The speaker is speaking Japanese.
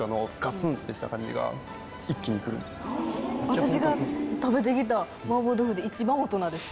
私が食べてきた麻婆豆腐で一番大人です。